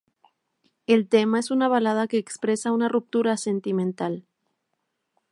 El tema es una balada que expresa una ruptura sentimental.